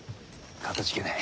かたじけない。